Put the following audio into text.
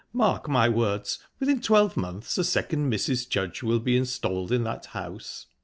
Mark my words within twelve months a second Mrs. Judge will be installed in that house."